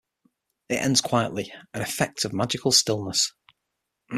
It ends quietly, "an effect of magical stillness".